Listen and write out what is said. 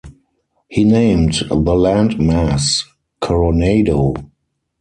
He named the land mass Coronado.